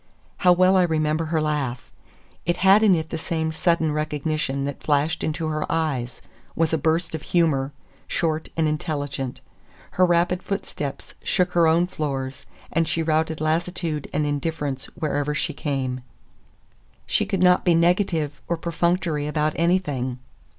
How well I remember her laugh; it had in it the same sudden recognition that flashed into her eyes, was a burst of humor, short and intelligent. Her rapid footsteps shook her own floors, and she routed lassitude and indifference wherever she came. She could not be negative or perfunctory about anything.